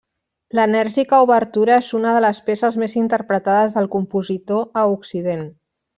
L'enèrgica obertura és una de les peces més interpretades del compositor a Occident.